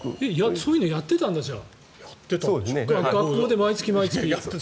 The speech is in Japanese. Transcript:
そういうのやってたんだじゃあ、学校で毎月。